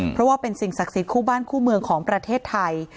เพราะว่าเป็นสิ่งศักดิ์สิทธิคู่บ้านคู่เมืองของประเทศไทย